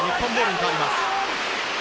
日本ボールに変わります。